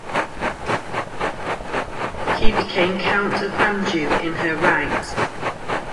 He became Count of Anjou in her right.